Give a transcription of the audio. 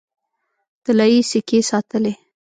طلايي سکې ساتلې.